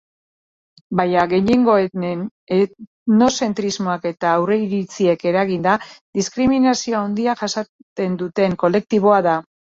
Baina gehiengoenen etnozentrismoak eta aurreiritziek eraginda, diskriminazio handia jasaten duen kolektiboa da.